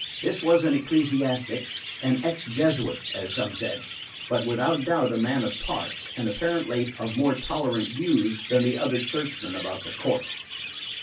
This was an ecclesiastic, an ex Jesuit as some said, but without doubt a man of parts, and apparently of more tolerant views than the other churchmen about the court.